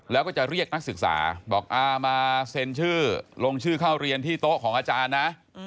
แล้วก็จะเรียกนักศึกษาบอกมาเซ็นชื่อลงชื่อเข้าเรียนที่โต๊ะของอาจารย์นะ